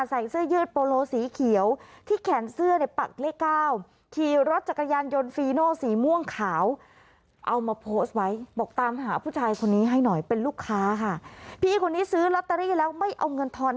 ใส่เสื้อยืดโปโลสีเขียวที่แขนเสื้อในปากเลข้าว